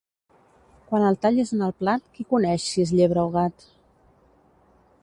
Quan el tall és en el plat, qui coneix si és llebre o gat?